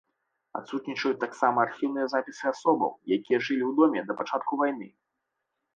Адсутнічаюць таксама архіўныя запісы асобаў, якія жылі ў доме да пачатку вайны.